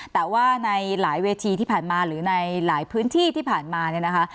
แต่ว่าในหลายเวทีที่ผ่านมาหรือในหลายพื้นที่ที่ผ่านมาเนี่ยนะคะ